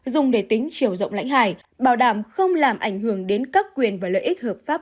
dùng để tính chiều rộng lãnh hải bảo đảm không làm ảnh hưởng đến các quyền và lợi ích hợp pháp